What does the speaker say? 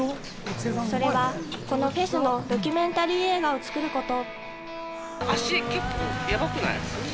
それはこのフェスのドキュメンタリー映画を作ること。